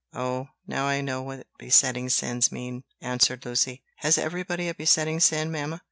"Oh! now I know what besetting sins mean," answered Lucy. "Has everybody a besetting sin, mamma?"